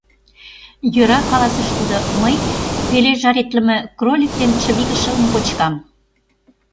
— Йӧра, — каласыш тудо, — мый пеле жаритлыме кролик ден чывиге шылым кочкам.